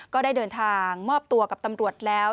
ก็ได้เดินทางมอบตัวกับตำรวจแล้ว